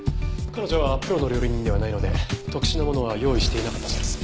彼女はプロの料理人ではないので特殊なものは用意していなかったそうです。